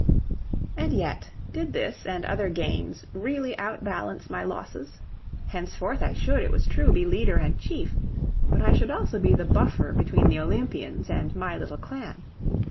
And yet, did this and other gains really out balance my losses? Henceforth I should, it was true, be leader and chief; but I should also be the buffer between the Olympians and my little clan.